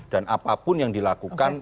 dan apapun yang dilakukan